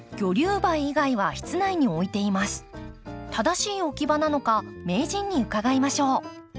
正しい置き場なのか名人に伺いましょう。